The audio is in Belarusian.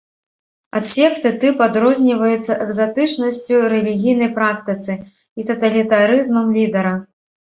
Ад секты тып адрозніваецца экзатычнасцю рэлігійнай практыцы і таталітарызмам лідара.